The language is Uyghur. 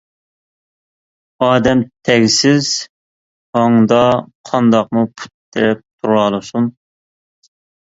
ئادەم تەگسىز ھاڭدا قانداقمۇ پۇت تىرەپ تۇرالىسۇن.